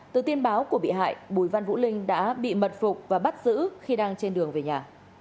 từ tin báo của bị hại bùi văn vũ linh đã bị mật phục và bắt giữ khi đang trên đường về nhà